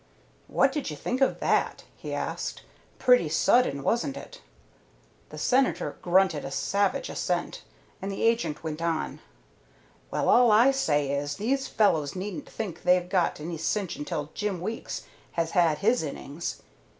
"What did you think of that?" he asked. "Pretty sudden, wasn't it?" The Senator grunted a savage assent, and the agent went on: "Well, all I say is, these fellows needn't think they've got any cinch until Jim Weeks has had his innings.